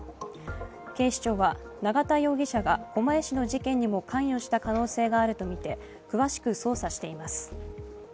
警視庁は、永田容疑者が狛江市の事件にも関与した可能性があるとみて詳しく捜査しています。